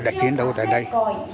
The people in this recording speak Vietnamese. đã chiến đấu tại đây